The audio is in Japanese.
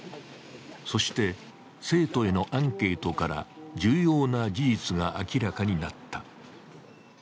そして生徒へのアンケートから、重要な事実が明らかになった。